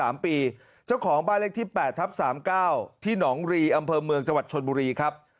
เมืองจังหวัดชนบุรีครับ